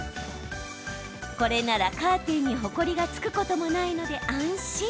これならカーテンにほこりが付くこともないので安心。